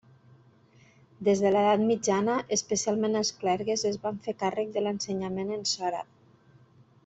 Des de l'edat mitjana, especialment els clergues es va fer càrrec de l'ensenyament en sòrab.